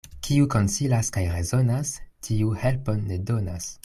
Kiu konsilas kaj rezonas, tiu helpon ne donas.